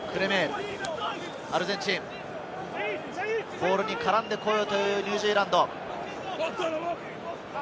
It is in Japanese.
ボールに絡んでこようというニュージーランド。